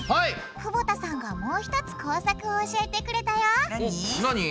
久保田さんがもうひとつ工作を教えてくれたよなに？